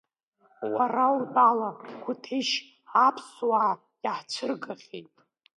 Уара утәала, Қәҭешь аԥсуаа иаҳцәыргахьеит.